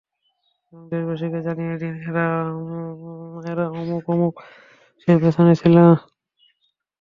এবং দেশবাসীকে জানিয়ে দিন, এরা এরা, অমুক অমুক এসবের পেছনে ছিল।